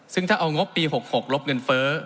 ซึ่งถ้าเอางบปี๖๖ลบเงินเฟ้อ